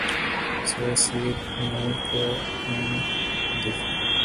سے سید نور کو ان دیکھے